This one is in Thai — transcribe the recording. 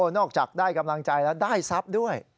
นอกจากได้กำลังใจแล้วได้ทรัพย์ด้วย